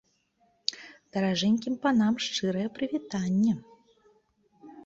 Даражэнькім панам шчырае прывітанне.